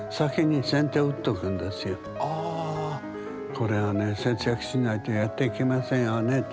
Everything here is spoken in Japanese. これはね節約しないとやっていけませんよねって。